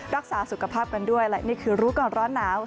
รักษาสุขภาพกันด้วยและนี่คือรู้ก่อนร้อนหนาว